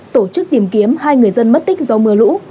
tổ chức tìm kiếm hai người dân mất tích do mưa lũ